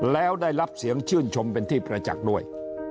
แล้วได้รับเสียงชื่นชมเป็นที่ประจักษ์ด้วย